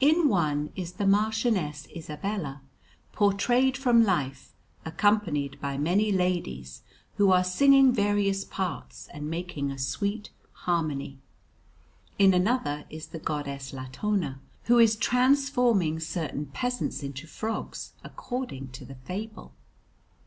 In one is the Marchioness Isabella, portrayed from life, accompanied by many ladies who are singing various parts and making a sweet harmony. In another is the Goddess Latona, who is transforming certain peasants into frogs, according to the fable.